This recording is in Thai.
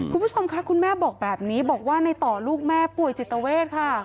คุณผู้ชมค่ะคุณแม่บอกแบบนี้บอกว่าในต่อลูกแม่ป่วยจิตเวทค่ะ